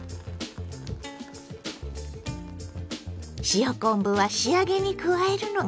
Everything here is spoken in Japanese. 塩昆布は仕上げに加えるのがポイント。